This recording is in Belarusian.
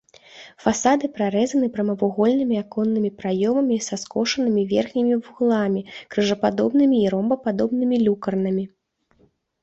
Фасады прарэзаны прамавугольнымі аконнымі праёмамі са скошанымі верхнімі вугламі, крыжападобнымі і ромбападобнымі люкарнамі.